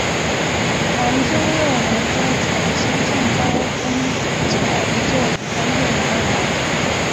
唐天佑年间曾修建高公桥一座以方便两岸来往。